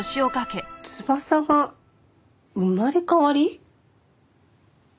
翼が生まれ変わり？